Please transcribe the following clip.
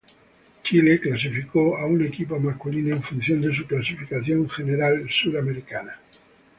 Chile clasificó a un equipo masculino en función de su clasificación general suramericana.